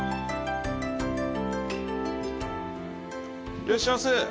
いらっしゃいませ。